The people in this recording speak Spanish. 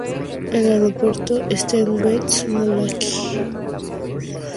El aeropuerto está en West Molokaʻi.